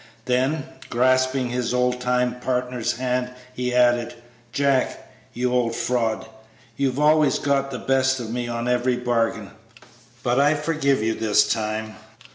Then, grasping his old time partner's hand, he added: "Jack, you old fraud! You've always got the best of me on every bargain, but I forgive you this time.